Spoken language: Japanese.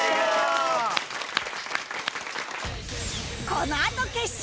このあと決勝！